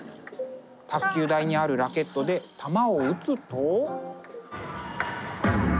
卓球台にあるラケットで球を打つと。